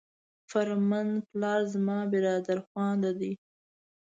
فرهمند پلار زما برادرخوانده دی.